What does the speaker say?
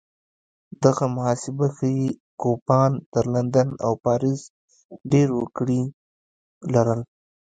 دغه محاسبه ښيي کوپان تر لندن او پاریس ډېر وګړي لرل.